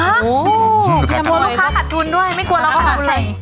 ลูกค้าขาดทุนด้วยไม่กลัวเราก็ขาดทุนเลย